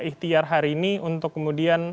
ikhtiar hari ini untuk kemudian